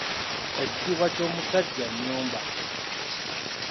Ekitiibwa ky’omusajja nnyumba.